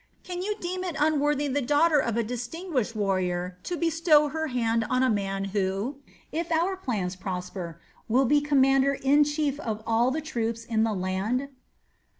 Can you deem it unworthy the daughter of a distinguished warrior to bestow her band on a man who, if our plans prosper, will be commander in chief of all the troops in the land?"